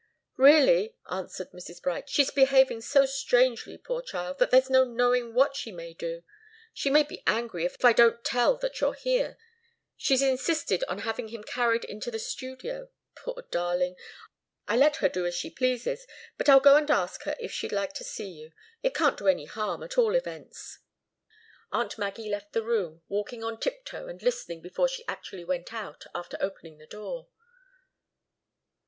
"Really," answered Mrs. Bright, "she's behaving so strangely, poor child, that there's no knowing what she may do. She may be angry if I don't tell that you're here. She's insisted on having him carried into the studio. Poor darling! I let her do as she pleases. But I'll go and ask her if she'd like to see you. It can't do any harm, at all events." Aunt Maggie left the room, walking on tiptoe and listening before she actually went out, after opening the door.